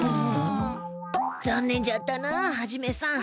ざんねんじゃったなハジメさん。